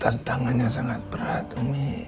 tantangannya sangat berat umi